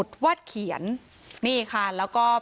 เป็นมีดปลายแหลมยาวประมาณ๑ฟุตนะฮะที่ใช้ก่อเหตุ